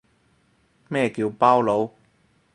咩叫包佬